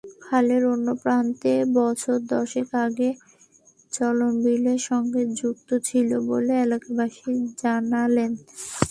খালের অন্য প্রান্ত বছর দশেক আগেও চলনবিলের সঙ্গে যুক্ত ছিল বলে এলাকাবাসী জানালেন।